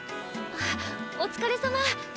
あっおつかれさま。